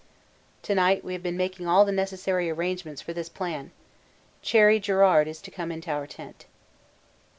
To night we have been making all the necessary arrangements for this plan. Cherry Garrard is to come into our tent.